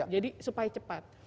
jadi supaya cepat